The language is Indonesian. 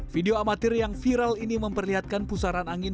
video amatir yang viral ini memperlihatkan pusaran angin